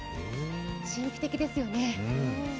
神秘的ですよね。